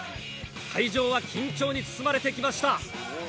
会場は緊張に包まれてきました。